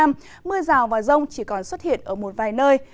mưa rào và rông chỉ còn xuất hiện ở một vài nơi